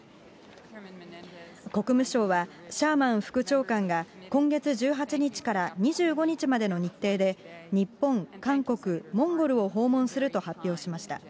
国務省は、シャーマン副長官がこんげつ１８日から２５日までの日程で、日本、韓国、モンゴルを訪問すると発表しました。